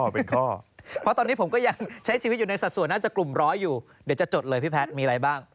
เพราะตอนนี้ผมก็ยังใช้ชีวิตอยู่ในสัดส่วนน่าจะกลุ่มร้อยอยู่เดี๋ยวจะจดเลยพี่แพทย์มีอะไรบ้าง